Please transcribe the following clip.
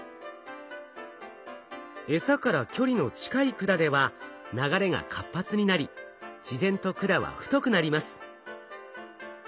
えさから距離の近い管では流れが活発になり自然と管は太くなります。